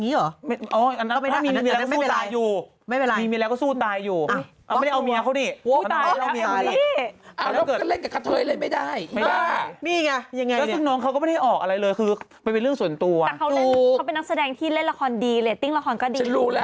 อย่างนี้เหรอไม่เป็นไรไม่เป็นไรไม่เป็นไร